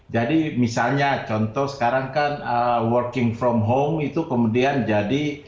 jadi misalnya contoh sekarang kan working from home itu kemudian jadi